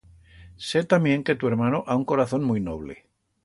Sé tamién que tu ermano ha un corazón muit noble.